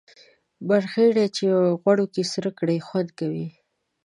مرخیړي چی غوړو کی سره کړی خوند کوي